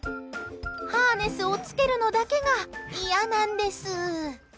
ハーネスをつけるのだけが嫌なんです。